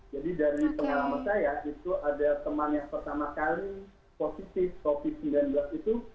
jadi dari pengalaman saya itu ada teman yang pertama kali positif covid sembilan belas itu